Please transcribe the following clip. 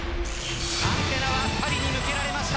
アンテナはパリに向けられました。